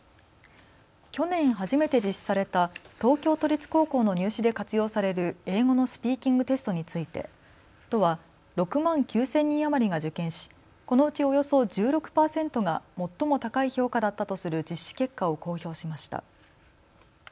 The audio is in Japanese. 去年、初めて実施された東京都立高校の入試で活用される英語のスピーキングテストについて都は６万９０００人余りが受験し、このうちおよそ１６％が最も高い評価だったとする実施結果を公表しました。